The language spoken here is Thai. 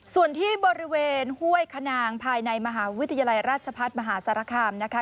ส่วนที่บริเวณห้วยขนางภายในมหาวิทยาลัยราชพัฒน์มหาสารคามนะคะ